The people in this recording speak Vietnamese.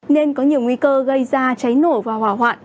nên có nhiều nguy cơ gây ra cháy nổ và hỏa hoạn